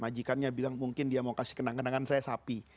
majikannya bilang mungkin dia mau kasih kenang kenangan saya sapi